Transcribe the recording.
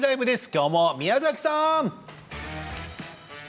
きょうも宮崎さん。